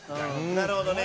なるほどね。